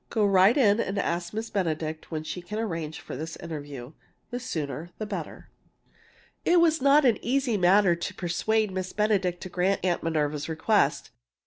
Go right in and ask Miss Benedict when she can arrange for this interview the sooner, the better!" It was not an easy matter to persuade Miss Benedict to grant Aunt Minerva's request.